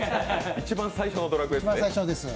一番最初の「ドラクエ」ですね。